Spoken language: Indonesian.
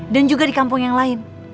dan juga di kampung yang lain